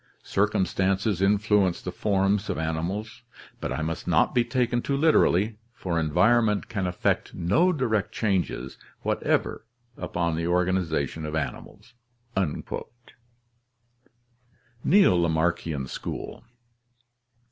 ... Circumstances in fluence the forms of animals. But I must not be taken too literally, for environment can effect no direct changes whatever upon the organiza tion of animals." Neo Lamarckian School.